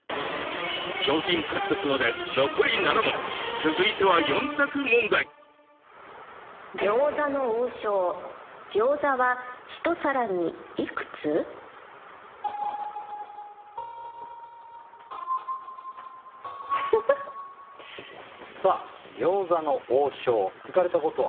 賞金獲得まで残り７問続いては４択問題さあ餃子の王将行かれたことは？